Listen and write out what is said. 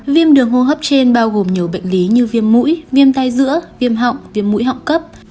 viêm đường hô hấp trên bao gồm nhiều bệnh lý như viêm mũi viêm tai giữa viêm họng viêm mũi họng cấp